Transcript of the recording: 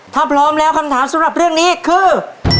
ถ้าพร้อมแล้วคำถามสำหรับเรื่องนี้คือ